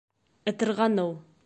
Ытырғаныу.